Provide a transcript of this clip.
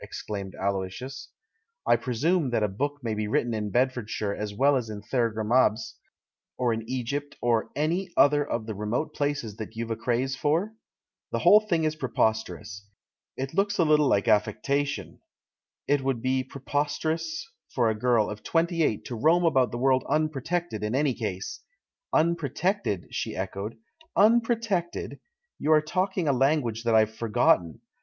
exclaimed Aloysius. "I pre sume that a book may be written in Bedford shire as well as in Thergrimabes, or in Egypt, or any other of the remote places that you've a craze for? The whole thing is preposterous. It looks a little like affectation. It would be pre posterous for a girl of twenty eight to roam about the world unprotected, in any case " "Unprotected?" she echoed, "unprotected? You are talking a language that I've forgotten.